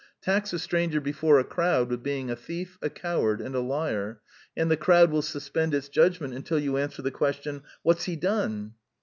Tax a stranger before a crowd with being a thief, a coward, and a liar; and the crowd will suspend its judgment until you answer the question, "What's he done?"